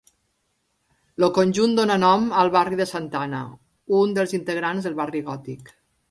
El conjunt dóna nom al barri de Santa Anna, un dels integrants del barri Gòtic.